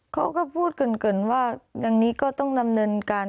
เขาก็พูดเกินว่าอย่างนี้ก็ต้องดำเนินการ